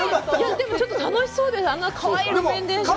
でも、楽しそうで、あんなかわいい路面電車とか。